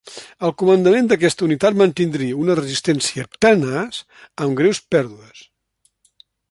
Al comandament d'aquesta unitat mantindria una resistència tenaç amb greus pèrdues.